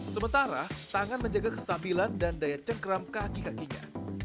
sementara tangan menjaga kestabilan dan daya cengkram kaki kakinya